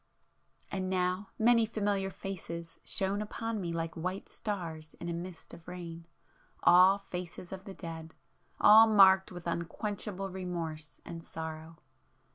And now many familiar faces shone upon me like white stars in a mist of rain,—all faces of the dead,—all marked with unquenchable remorse and sorrow.